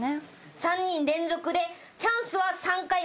３人連続でチャンスは３回までです。